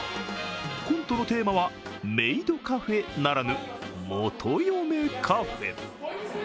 コントのテーマは、メイドカフェならぬ元嫁カフェ。